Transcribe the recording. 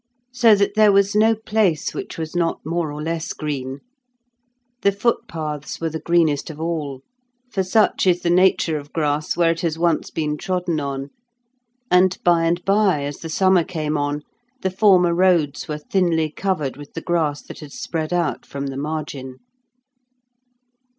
So that there was no place which was not more or less green; the footpaths were the greenest of all, for such is the nature of grass where it has once been trodden on, and by and by, as the summer came on, the former roads were thinly covered with the grass that had spread out from the margin.